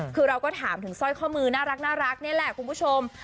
คือเราก็ถามถึงสร้อยข้อมือน่ารักนี่แหละคุณผู้ชม